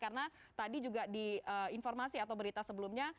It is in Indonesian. karena tadi juga di informasi atau berita sebelumnya